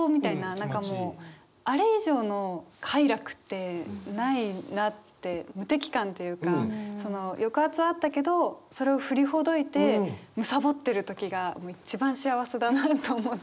何かもうあれ以上の快楽ってないなって無敵感っていうか抑圧はあったけどそれを振りほどいてむさぼってる時が一番幸せだなと思って。